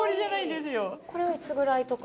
これはいつぐらいとか？